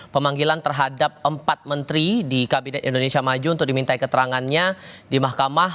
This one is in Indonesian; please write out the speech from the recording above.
pemanggilan terhadap empat menteri di kabinet indonesia maju untuk diminta keterangannya di mahkamah